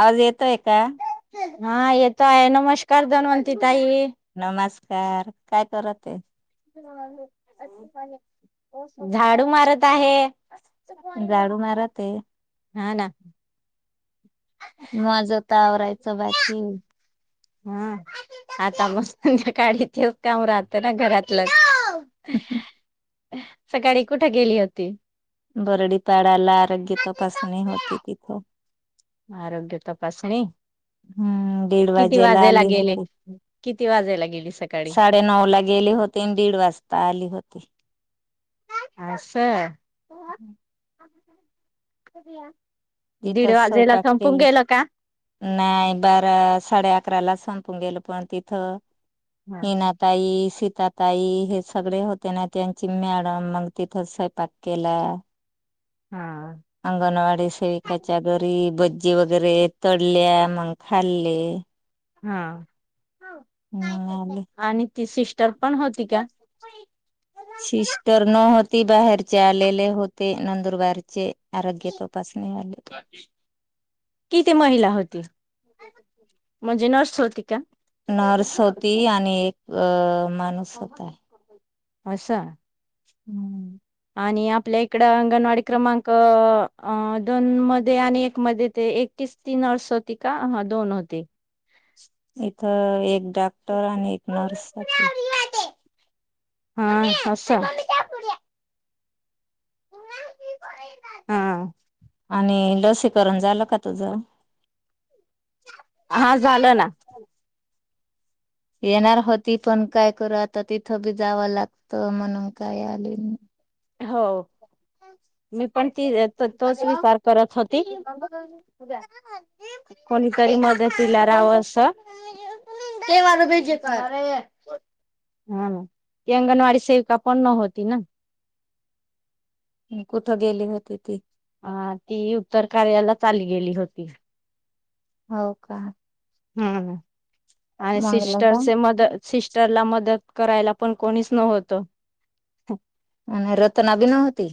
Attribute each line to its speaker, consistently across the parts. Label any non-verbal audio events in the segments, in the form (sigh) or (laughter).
Speaker 1: आवाज येतोय का?
Speaker 2: हा येतो आहे नमस्कार दनवती ताई.
Speaker 1: नमस् कार काय करत हे.
Speaker 2: झाडू मारत आहे.
Speaker 1: झाडू मारा ते!
Speaker 2: हा ना. !
Speaker 1: मज तर आवरायचं बाकी ही.
Speaker 2: हा आता मग संध्याकाळी तेच काम राहतं ना घरातलंच. ये हा सकाळी कुठे गेली होती.
Speaker 1: बरडीपाडाला आरोग्य तपासणी होते तिथं.
Speaker 2: आरोग्य तपासणी-
Speaker 1: हम्म दीड
Speaker 2: किती
Speaker 1: वाजायाला
Speaker 2: वाजायला
Speaker 1: आले
Speaker 2: गेले
Speaker 1: होते.
Speaker 2: किती वाजायला गेली सकाळी
Speaker 1: साडेनऊ ला गेले होते,, आणि दीड वाजता आले होते.
Speaker 2: असअ शतया
Speaker 1: इथेच स्वयंपाक तील
Speaker 2: का
Speaker 1: नाही बारा साडे अकरा ला सांग. गेलं पण तिथं
Speaker 2: हा
Speaker 1: ही ना ताई सीतााताई हे सगळे होते ना त्यांची मॅडम मग तिथंच स्वयपाक केला.
Speaker 2: हा
Speaker 1: अंगणवाडी सेविकाच्या घरी बज जी वगैरे तडल्या, मग खाल्ले.
Speaker 2: हाहा
Speaker 1: (unintelligible)
Speaker 2: ती सिस्टर पण होती का?
Speaker 1: सिस्टर न होती बाहेरचे आलेले होते नंदुरबारचे. आरोग्य तपासणी वाले
Speaker 2: किती महिला होती, म्हणजे नर्स? शोतीका?
Speaker 1: नर्स होती आणि एक- अ माणूस होता.
Speaker 2: असा.
Speaker 1: हम्म
Speaker 2: आणि आपल्या इकड अंगणवाडी क्रमांक अ दोन मध्ये आणि एक मध्ये ते एकटीच ति नर्स होती का? दोन होते.
Speaker 1: इथं एक डॉक्टर आणि एक नर्स होती.
Speaker 2: हा अस हा आ
Speaker 1: आणि लसीकरण झालं का तुझं?
Speaker 2: हा झालं ना
Speaker 1: येणार होती पण काय करू आता तिथं बी जावं लागत म्हणून काय आले नाही
Speaker 2: हो मी पण तोच विचार करत होती कोणीतरी मदत मदतीला रहाव अस
Speaker 1: तर
Speaker 2: बर हा ती अंगणवाडी सेविका पण होती ना
Speaker 1: कुठं गेली होते ती
Speaker 2: हा ती उत्तर कार्याला चाली गेली होती
Speaker 1: हो का
Speaker 2: हम्म आणि
Speaker 1: मंगला का
Speaker 2: सिस्टरचे मदत सिस्ट ला मदत करायला पण कोणीच नवत
Speaker 1: आणि रतना भी नव्हती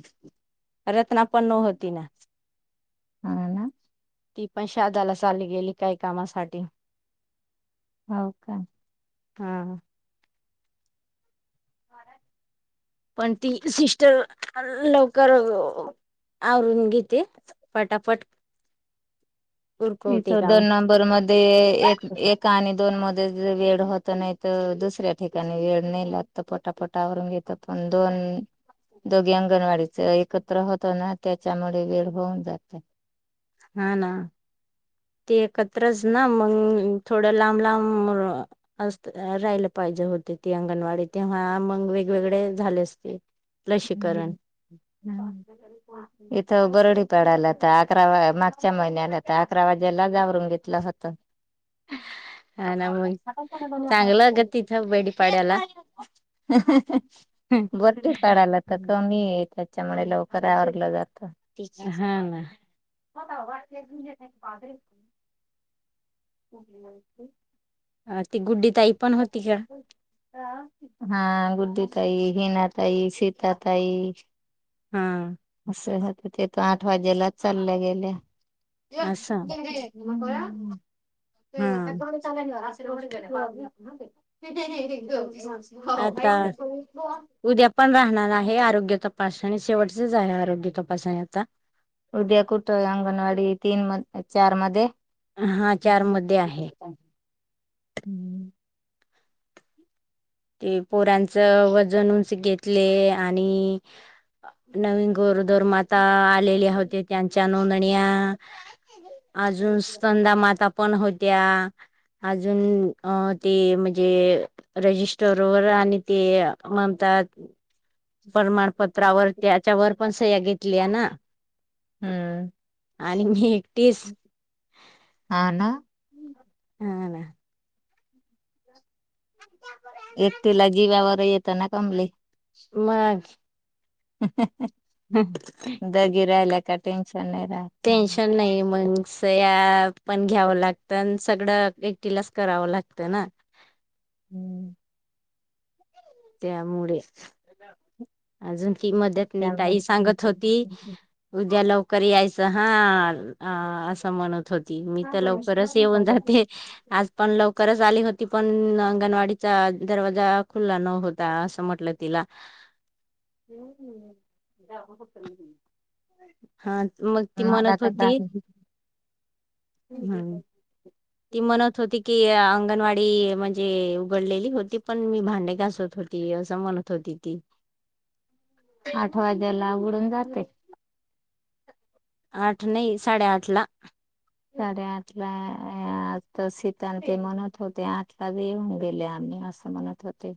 Speaker 2: रत्ना पण नव्हती ना
Speaker 1: हा ना
Speaker 2: ती पण शहादाला चाली गेली काही कामासाठी
Speaker 1: हो का
Speaker 2: हा
Speaker 1: (unintelligible)
Speaker 2: पण ती सिस्टर लवकर आवरून घेते पटापट उरकवते
Speaker 1: इथं
Speaker 2: काम
Speaker 1: दोन नंबर मध्ये एक एक आणि दोन म वेड होत नाही तर दुसऱ्या ठिकाणी वेड नाही लागत पटापटा आवरुन घेतात पण दोन दोघे अंगणवाडीच एकत्र होत ना त्याच्यामुळे वेड होऊन जात.
Speaker 2: हा ना, ते एकत त्रस ना मंग थोडं लांब लांब अ.. असते राहिलं पाहिजे होते ती अंगणवाडी तेव्हा मग वेगवेगळे झाले असते लसीकरण
Speaker 1: इथ बरडी उतळाला तर अकरा वा मागच्या महिन्याला तर अकरा वाजेला जावरून घेतलं होत.
Speaker 2: हा ना मग चांगलं ग तिथं बेडीपाड्याला
Speaker 1: बोल चढायला
Speaker 2: हा
Speaker 1: तरी त्यामुळे लवकर आवरल जातं.
Speaker 2: हा ना
Speaker 1: (inaudible) पादरी (inaudible)
Speaker 2: अ.. ती गुड्डी ताई पण होती का?
Speaker 1: हा गुड्डी ताई, हिना ताई, सीता ताई
Speaker 2: हा...
Speaker 1: चलत होत्या ते, आठ वाजेला चाल्या गेल्या. (inaudible)
Speaker 2: असं
Speaker 1: हम्म. (inaudible)
Speaker 2: हा
Speaker 1: (inaudible) (inaudible)
Speaker 2: आता उद्या पण राहणार आहे आरोग्या तप पाषण शेवटचेच आहे. आरोग्य तपाासणी आता.
Speaker 1: उद्या कुठं? अंगणवाडी तीन म चार मध्ये.
Speaker 2: हा चार मध्ये आहे
Speaker 1: हम्म...
Speaker 2: ते पोरांच वजन उंच घेतले आहे आणि नवीन आ गोरोदर गरोदर माता आलेली होते त्यांच्या म मण्या... (unintelligible) अजून स्थनदा माता पण होत्या अजून अ ते म्हणजे राजेस्ट स्टरवर आणि ते अ म्हणतात. परमार. पत्रावर, त्याच्यावर पण सह्या घेतल्या ना.
Speaker 1: हम्म.
Speaker 2: आणि मी एकटीच
Speaker 1: हा ना.
Speaker 2: हा ना.
Speaker 1: त्यांना कमली
Speaker 2: मच
Speaker 1: हेहेहे. दोघो राहिला का? त्यांच्या
Speaker 2: टेन्शन नाही मंग. सह्या पण घ्यावं लागता. सगळं एकटीलाच करावं लागत ना.
Speaker 1: हम्म.
Speaker 2: त्यामुळेच अजून की मदतीन ताई सांगत की होती उद्या लवकर करी हायस हा अ अस म्हणत होती. होती मी तर लवकरच येऊन जाते. आज पण लवकरच झाली होती पण, अंगणवाडीचा दरवाजा खुला नव्ह ता असं म्हटलं तिला
Speaker 1: हम्म हम्म. जाग होतरी ही.
Speaker 2: हा मग ती म्हणत
Speaker 1: तर
Speaker 2: होती, हम्म. ती म्हणत होती की, अंगणवाडी म्हण जे उघडलेली होती, पण मी भांडे घासत होती. असं म्हणत होती ती.
Speaker 1: आठ वाजायला उघडून जात.
Speaker 2: आठ नाही साडे आठ ला.
Speaker 1: साडे आठला आ आता सिता आमची म्हणत होती. आठला बी येऊन गेले आम्ही असं म्हणत होती.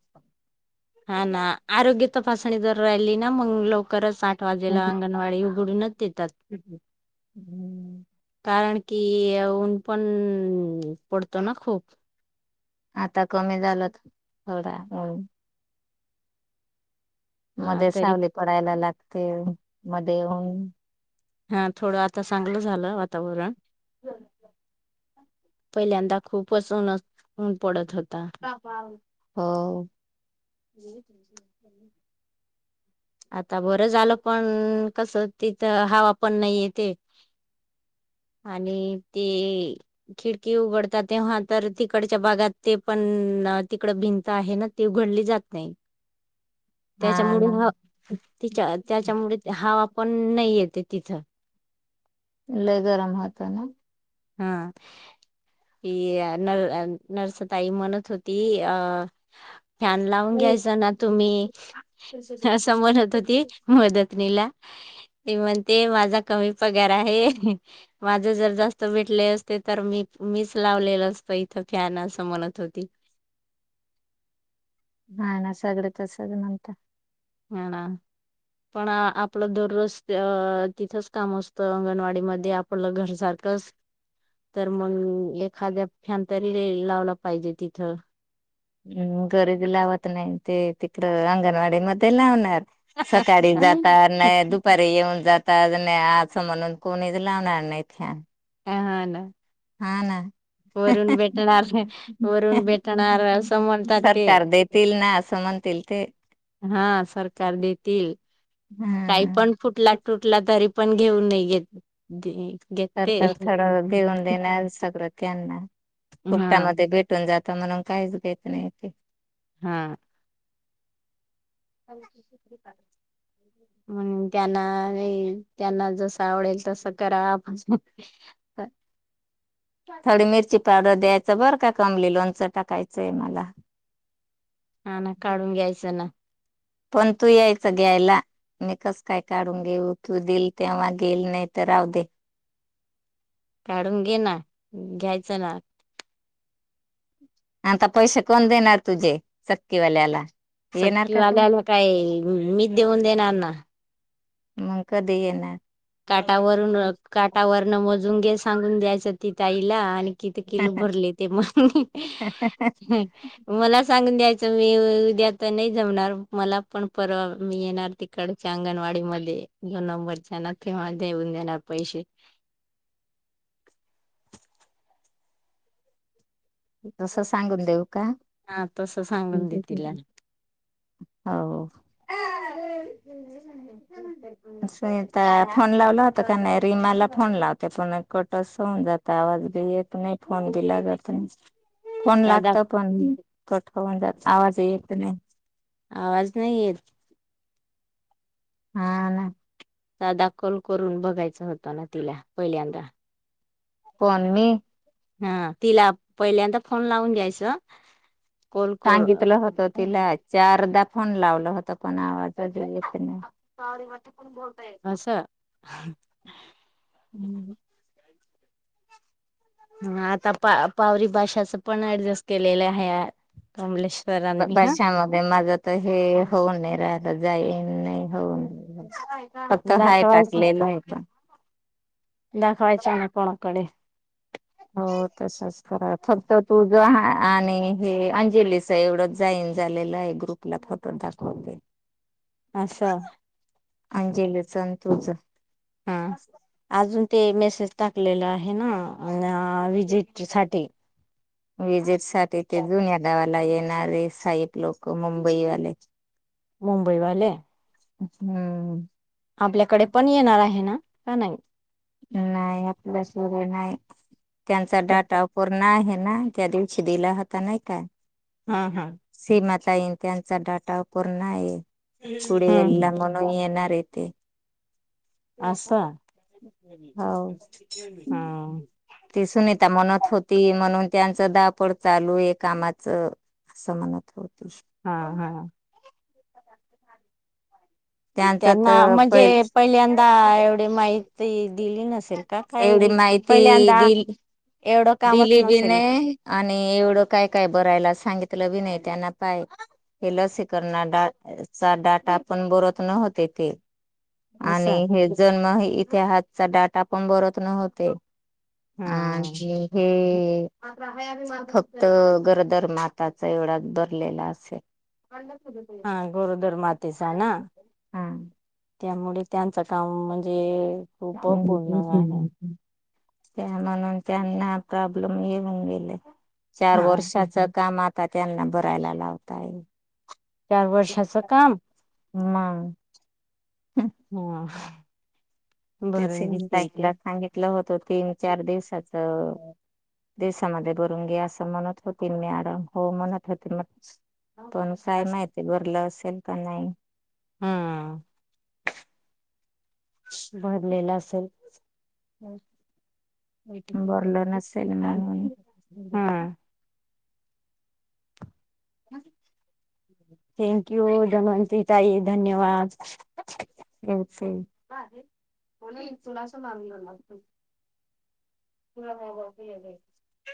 Speaker 2: हा ना आरोग्य तपासणी जर राहिली ना मंग लव करच. साठ वाजेला अंगणवाडी उ दुरूनच
Speaker 1: हम्म हम्म.
Speaker 2: कारण की ऊन पण पडतो ना खूप.
Speaker 1: आता कमी झालं थोडा होय.
Speaker 2: हा
Speaker 1: मध्ये
Speaker 2: तरी
Speaker 1: सावली पडायला ला ते मध्ये येऊन
Speaker 2: हा थोडं आता चांगलं झालं वातावरण. पहिल्यांदा खूपच ऊनच ऊन पडत होतं.
Speaker 1: हो (inaudible)
Speaker 2: आता बरं झालं, पण कसं तिथं हवा पण नाही येते आणि ते खिडकी उघडतात तेव्हा तर, तिकडच्या भागात ते पण तिकड भिंत आहे ना ती उघडली जात नाही.
Speaker 1: हा
Speaker 2: त्याच्यामुळे
Speaker 1: ना
Speaker 2: ह तिच्या त्याच्यामुळे हवा पण नाही येतेय तिथं.
Speaker 1: लय गरम होता ना?
Speaker 2: ह. ही अ नर नर्सताई म्हणत होती, अ फॅन लावून घ्यायचा ना तुम्ही असं म्हणत होती मदतनीला. ते म्हणते माझा कमी पगार आहे, माझ जर जास्त भेटले असते तर मी मीच लावलेला आसता इथ फॅन असं म्हणत होती.
Speaker 1: नाय नाय सगळे तसच म्हणतात.
Speaker 2: हा ना पण आपलं दररोज अ तिथच काम असतं अंगणवाडी मध्ये आपलं घर सारखंच, तर मग एखाद्या फॅन तरी लावला पाहिजे तिथं.
Speaker 1: हम् घरिबी लावत नाही ते तिकडं अंगणवाडी मधे लावणार. सकाळी जातात नाही
Speaker 2: हा
Speaker 1: दुपारी येऊन जात. ताज नाही असं म्हणून कोणीच लावणार नाही फॅन.
Speaker 2: अ ह न.
Speaker 1: हा ना
Speaker 2: वरून भेटणार अहं वरून भेटणार अस म्हणतात ते
Speaker 1: सरकार देतील ना असं म्हणतील ते
Speaker 2: हा. सरकार देतील काही
Speaker 1: हा
Speaker 2: पण फुटला टूटला तरी पण घेऊन नाही येत
Speaker 1: सरकार थोडं देऊन देण्या सगळं त्यांना,
Speaker 2: हा
Speaker 1: फुकटामध्ये भेटून जातं म्हणून काहीच भे नेह ते.
Speaker 2: ह.
Speaker 1: अ (unintelligible)
Speaker 2: म त्यांना त्यांना जस आवडेल तसं करा
Speaker 1: थोडी मिरची पावडर द्यायचं बरं का कमली लोनच टाकायचंय मला
Speaker 2: हा ना काढून घ्यायचं ना
Speaker 1: पण तू यायचं घ्यायला मी कसं काय काढून घेऊ तू दिल तेव्हा घेईल नाही तर राहू दे
Speaker 2: काढून घे ना घ्यायचं ना
Speaker 1: आता पैसे कोण देणार तुझे चक्की वाल्याला
Speaker 2: चक्कीवाल्याला काय मी नेऊन देणार ना
Speaker 1: मग कधी येणार
Speaker 2: काटावरून काटावरन मोजून घे सांगून द्यायचं की ताईला आणि किती किलो भरले ते मग मला सांगून द्या मी उद्या आता नाही जमणार मला पण परवा मी येणार तिकडच्या अंगणवाडी मध्ये दोन नंबर च्या तेव्हा नेऊन देणार पैसे
Speaker 1: तस सांगून देऊ का
Speaker 2: हा तसं सांगून दे तिला
Speaker 1: हो तिला फोन लावला होता का नाही रीमा ला फोन लावते पण कट होऊन जातो आवाज बी येत नाही फोन बी लागत नाही फोन
Speaker 2: साधा
Speaker 1: लागतो फोन कधी कधी नाही लागत नाही येत आवाज (inaudible) येत नाही
Speaker 2: आवाज नाही येत
Speaker 1: हा ना
Speaker 2: दाखल करून बघायचा होता ना तिला पहिल्यांदा
Speaker 1: कोण मी
Speaker 2: हा तिला पहिल्यांदा फोन लावून घ्यायच
Speaker 1: सांगितलं होत तिला चारदा फोन लावला होता कोण आवाज देत न्हवत
Speaker 2: असा
Speaker 1: हम्म
Speaker 2: हा आता पावरी डास ची पण लस केलेलं आहे जमल्यास
Speaker 1: कशामध्ये माझं तर हे होऊ नाही राहील नाही होऊन होता हाय
Speaker 2: दाखवायचं
Speaker 1: टाकलेला आहे
Speaker 2: कडे
Speaker 1: हो तसच खरा फक्त तू ज आणि हे अंजलीच एवढं जाईन झालेलं आहे ग्रुपला फोटो दाखवतेे
Speaker 2: असा
Speaker 1: अंजलीचा आणि तुझं
Speaker 2: हा अजून ते मेसेज टाकलेल आहे ना, विजिट साठी!
Speaker 1: विजिट त्या तिथे जुन्या गावाला येईल असणारे साईब लोक मुंबईवाले
Speaker 2: मुंबईवाले!
Speaker 1: हम्म
Speaker 2: आपल्याकडे पण येणार आहे ना? का नाही
Speaker 1: नाही आपल्या हित नाही त्यांचा डाटा अपूर्ण आहे. ना त्या दिवशी दिला होता नाही का!
Speaker 2: हा हा
Speaker 1: ताई त्यांचा डेटा पूर्ण आहे. कुडीवला
Speaker 2: हम्म
Speaker 1: म्हणून येनारयते! ते का?
Speaker 2: असं
Speaker 1: हो
Speaker 2: हा
Speaker 1: ती सुनीता म्हणत होती म्हणून त्यां च धावपळ चालू आहे कामाच असं म्हणत होत. (inaudible)
Speaker 2: हा हा
Speaker 1: त्यांचं
Speaker 2: त्यांना
Speaker 1: तर पहि
Speaker 2: म्हणजे पहिल्यांदा एवढे माहिती ती दिली नसेल का
Speaker 1: एवढी
Speaker 2: काही
Speaker 1: माहिती
Speaker 2: पहिल्यांदा
Speaker 1: दिल
Speaker 2: एवढं कामच
Speaker 1: दिली बी
Speaker 2: नसेल
Speaker 1: नाही, आणि एवढं काय काय बरायला सांगितलं बी नाही. त्यांना पाय हे लसीकरणाचा डाटा पण बरत न होते ते! आणि
Speaker 2: असं
Speaker 1: हे जन्म इतिहातचा डाटा पण बरत नव्हते, हा
Speaker 2: हा
Speaker 1: आणि हे फक्त गरदर माताचा एवढाच भरलेला असेल.
Speaker 2: हा गरोदर मातेचा ना? हा
Speaker 1: हा
Speaker 2: त्यामुळे त्यांचं काम म्हणजे
Speaker 1: (inaudible)
Speaker 2: खूप पूर्ण आहे
Speaker 1: त्या म्हणून त्यांना प्रॉब्लेम येऊन गेले चार
Speaker 2: हा
Speaker 1: वर्षाच कामात ता त्यांना भरायला लावताय
Speaker 2: चार वर्षाचं काम.
Speaker 1: मंग.
Speaker 2: हम्.
Speaker 1: ते सिमी ताईलांना सांगितलं होतं तीन चार दिवसाचं. देशामध्ये भरुन घे असं म्हणत होती मॅडम हो म्हणत होते मगाशी. पण काय माहिती भरलं असं (inaudible) नाही
Speaker 2: हम्म. चलं.
Speaker 1: भरलं नसेल म्हणून
Speaker 2: (inaudible) हम्. थँक यू धन्वंती ताई धन्यवाद.
Speaker 1: अचछ आहे म्हणून तुलासा लाग ना (inaudible)